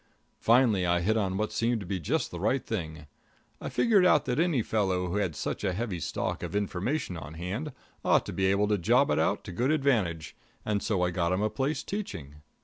Finally I hit on what seemed to be just the right thing. I figured out that any fellow who had such a heavy stock of information on hand, ought to be able to job it out to good advantage, and so I got him a place teaching.